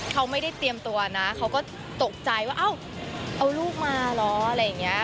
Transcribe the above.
เขาไม่ได้เตรียมตัวนะเขาก็ตกใจว่าเอ้าเอาลูกมาเหรออะไรอย่างนี้